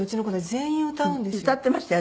全員歌うんですよ。